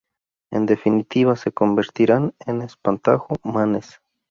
En definitiva se convertirán en espantajo-manes.